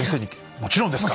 もちろんですか！